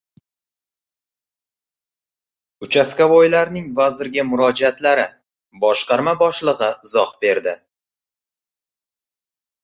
“Uchastkavoy”larning vazirga murojaatlari: boshqarma boshlig‘i izoh berdi